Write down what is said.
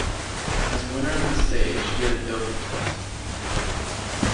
As winner of the stage, he had a doping test.